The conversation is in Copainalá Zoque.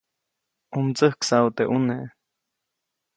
ʼU mtsäjksaʼu teʼ ʼuneʼ.